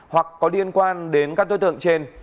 hoặc có liên quan đến các đối tượng trên